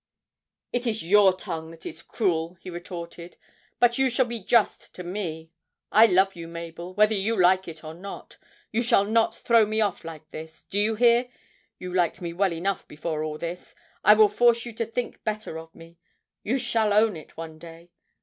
'It is your tongue that is cruel!' he retorted; 'but you shall be just to me. I love you, Mabel whether you like it or not you shall not throw me off like this. Do you hear? You liked me well enough before all this! I will force you to think better of me; you shall own it one day.